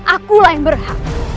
akulah yang berhak